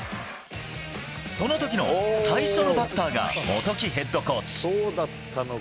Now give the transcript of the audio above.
その時の最初のバッターが元木ヘッドコーチ。